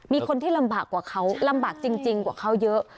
มีคนที่ลำบากจริงกว่าเขาเยอะ